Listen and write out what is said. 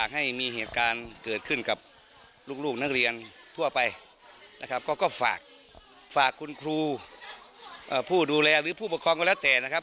ให้มีเหตุการณ์เกิดขึ้นกับลูกนักเรียนทั่วไปนะครับก็ฝากคุณครูผู้ดูแลหรือผู้ปกครองก็แล้วแต่นะครับ